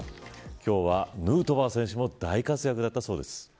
今日はヌートバー選手も大活躍だったそうです。